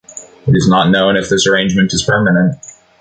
It is not known if this arrangement is permanent.